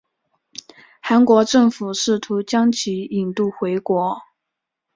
韩国政府试图将其引渡回国。